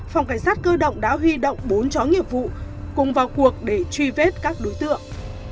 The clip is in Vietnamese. phòng cảnh sát cơ động đã huy động bốn chó nghiệp vụ cùng vào cuộc để truy vết các đối tượng